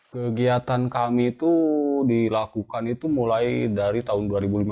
kegiatan kami itu dilakukan itu mulai dari tahun dua ribu lima belas